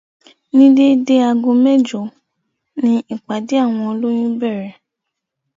Ní deéédéé ago mẹ́jo ni iìpàdé àwọn olóyún bẹ̀rẹ̀.